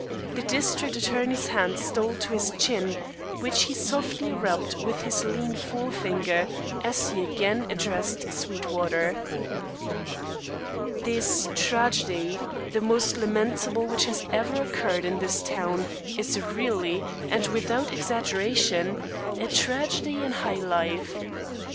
The district attorney's hand stole to his chin, which he softly rubbed with his lean forefinger as he again addressed Sweetwater. "This tragedy the most lamentable which has ever occurred in this town is really, and without exaggeration, a tragedy in high life.